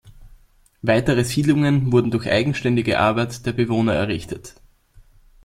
Weitere Siedlungen wurden durch eigenständige Arbeit der Bewohner errichtet.